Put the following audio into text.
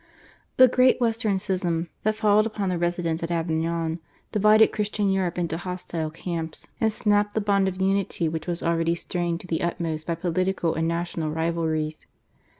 The Great Western Schism that followed upon the residence at Avignon divided Christian Europe into hostile camps, and snapped the bond of unity which was already strained to the utmost by political and national rivalries.